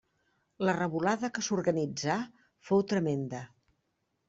La revolada que s'organitzà fou tremenda.